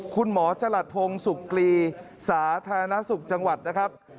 คุณหมอจรัสพงศ์สุกรีสาธารณสุขจังหวัดนะครับ